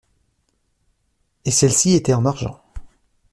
Et celle-ci était en argent.